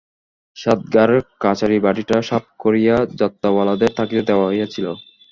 সাতগার কাছারিবাড়িটা সাফ করিয়া যাত্রাওয়ালাদের থাকিতে দেওয়া হইয়াছিল।